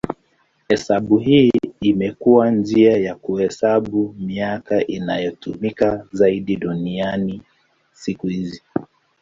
Hesabu hii imekuwa njia ya kuhesabu miaka inayotumika zaidi duniani siku hizi.